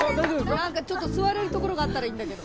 なんかちょっと座れるところがあったらいいんだけど。